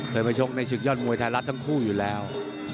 เคยมาชกในศึกยอดมวยไทยรัฐทั้งคู่อยู่แล้ว